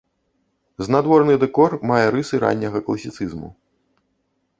Знадворны дэкор мае рысы ранняга класіцызму.